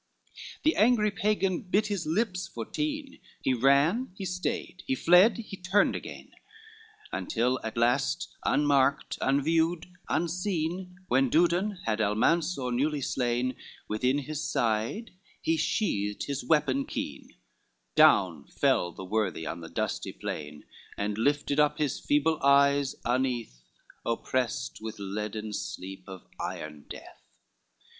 XLV The angry Pagan bit his lips for teen, He ran, he stayed, he fled, he turned again, Until at last unmarked, unviewed, unseen, When Dudon had Almansor newly slain, Within his side he sheathed his weapon keen, Down fell the worthy on the dusty plain, And lifted up his feeble eyes uneath, Opprest with leaden sleep, of iron death.